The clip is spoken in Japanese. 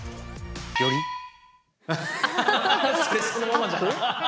それそのままじゃん。